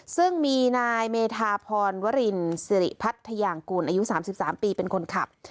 ซึ่งมีนายเมธาพรวรินสิริพัทยางกูลอายุ๓๓ปีเป็นคนขับ